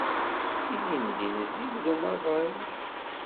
Ilindi nezzi-d i umaḍal.